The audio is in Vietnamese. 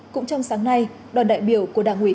cũng trong sáng nay đoàn đại biểu của đảng hồ chí minh